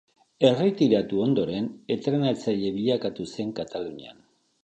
Erretiratu ondoren, entrenatzaile bilakatu zen Katalunian.